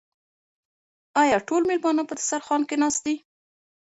آیا ټول مېلمانه په دسترخوان کې ناست دي؟